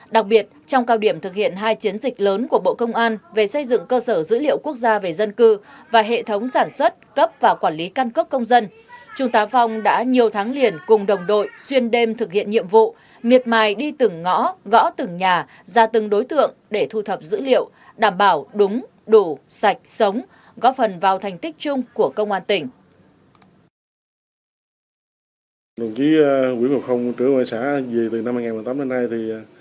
đặc biệt trong cao điểm thực hiện hai chiến dịch lớn của bộ công an về xây dựng cơ sở dữ liệu quốc gia về dân cư và hệ thống sản xuất cấp và quản lý căn cấp công dân trung tá phong đã nhiều tháng liền cùng đồng đội xuyên đêm thực hiện nhiệm vụ miệt mài đi từng ngõ gõ từng nhà ra từng đối tượng để thu thập dữ liệu đảm bảo đúng đủ sạch sống góp phần vào thành tích chung của công an tỉnh